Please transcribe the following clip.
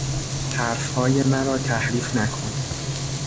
حرفهای مرا تحریف نکن!